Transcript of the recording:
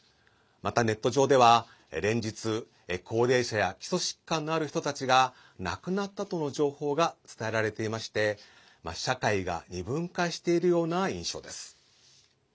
またネット上では、連日高齢者や基礎疾患のある人たちが亡くなったとの情報が伝えられていまして社会が二分化しているような印象です。